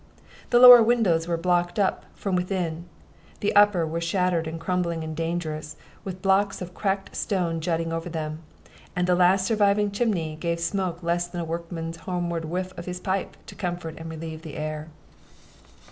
The lower windows were blocked up from within, the upper were shattered and crumbling and dangerous, with blocks of cracked stone jutting over them; and the last surviving chimney gave less smoke than a workman's homeward whiff of his pipe to comfort and relieve the air.